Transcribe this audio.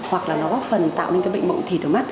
hoặc là nó góp phần tạo nên bệnh bộng thịt ở mắt